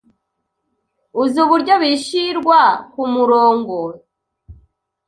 Uzi uburyo bishirwa kumurongos